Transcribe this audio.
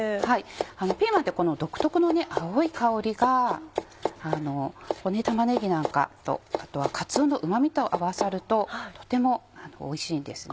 ピーマンってこの独特の青い香りが玉ねぎなんかと後はかつおのうまみと合わさるととてもおいしいんですね。